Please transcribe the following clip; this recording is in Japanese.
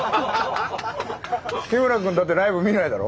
日村くんだってライブ見ないだろ？